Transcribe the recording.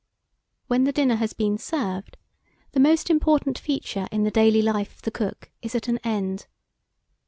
When the dinner has been served, the most important feature in the daily life of the cook is at an end.